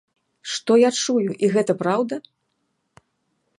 Што я чую, і гэта праўда?